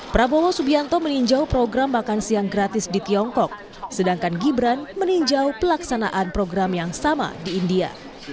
prabowo subianto meninjau program makan siang gratis di tiongkok sedangkan gibran meninjau pelaksanaan program yang sama di india